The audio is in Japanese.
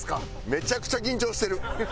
めちゃくちゃ緊張してる！